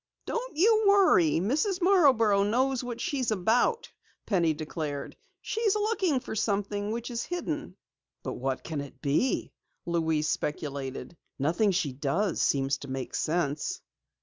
"Don't you worry, Mrs. Marborough knows what she is about," Penny declared. "She's looking for something which is hidden!" "But what can it be?" Louise speculated. "Nothing she does seems to make sense."